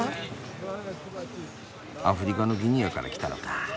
アフリカのギニアから来たのかあ。